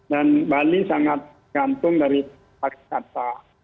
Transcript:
dan bali sangat gantung dari vaksin kata